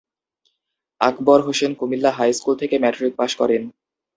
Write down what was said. আকবর Hossain Comilla high school থেকে matric pass করেন।